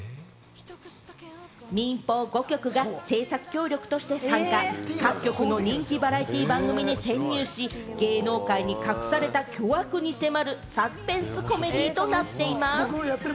民放５局が制作協力として参加し、各局の人気バラエティー番組に潜入し、芸能界に隠された巨悪に迫るサスペンスコメディーとなっています。